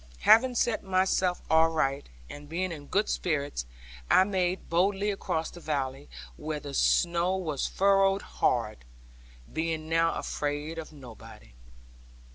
Having set myself aright, and being in good spirits, I made boldly across the valley (where the snow was furrowed hard), being now afraid of nobody.